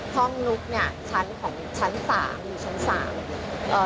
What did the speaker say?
นุ๊กเนี่ยชั้นของชั้นสามอยู่ชั้นสามเอ่อ